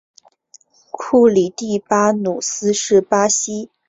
库里蒂巴努斯是巴西圣卡塔琳娜州的一个市镇。